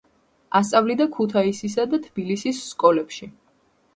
ასწავლიდა ქუთაისისა და თბილისის სკოლებში.